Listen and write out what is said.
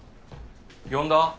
呼んだ？